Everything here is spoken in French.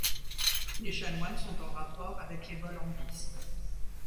Les chanoines sont en rapport avec les bollandistes.